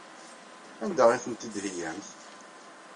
Anda ay tent-id-theyyamt?